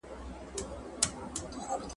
او موسيقي ږغول کېږي.